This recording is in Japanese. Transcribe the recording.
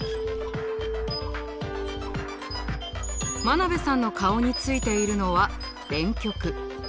真鍋さんの顔についているのは電極。